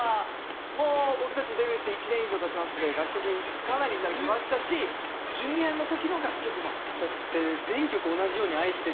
もう僕たちデビューして１年以上たちまして楽曲かなり頂きましたしＪｒ．の時の楽曲もある。